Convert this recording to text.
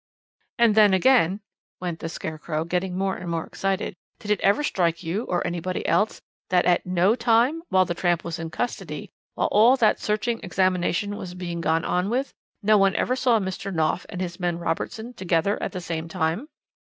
"And then again," went on the scarecrow, getting more and more excited, "did it ever strike you, or anybody else, that at no time, while the tramp was in custody, while all that searching examination was being gone on with, no one ever saw Mr. Knopf and his man Robertson together at the same time?